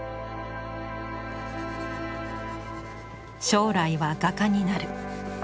将来は画家になる。